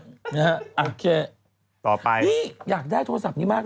สดเนาะจริงอร่อยส่งมาอีกก็ได้นะสับมาก